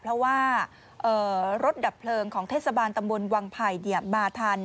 เพราะว่ารถดับเพลิงของเทศบาลตำบลวังไผ่มาทัน